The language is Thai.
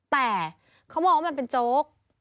แต่เขามองว่ามันเป็นโจ๊ก